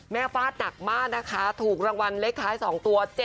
ฟาดหนักมากนะคะถูกรางวัลเลขท้าย๒ตัว